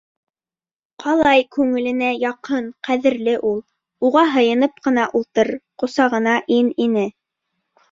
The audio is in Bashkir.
Ҡалай күңеленә яҡын, ҡәҙерле ул. Уға һыйынып ҡына ултыр, ҡосағына ин ине.